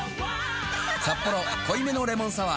「サッポロ濃いめのレモンサワー」